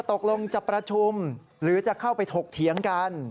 ตกลงจะประชุมหรือจะเข้าไปถกเถียงกัน